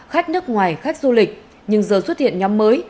khách nước ngoài khách du lịch nhưng giờ xuất hiện nhóm mới